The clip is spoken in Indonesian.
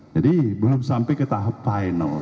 jadi belum sampai ke tahap final